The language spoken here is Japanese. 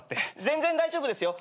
全然大丈夫ですよ。